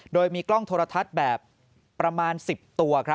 โดยมีกล้องโทรทัศน์แบบประมาณ๑๐ตัว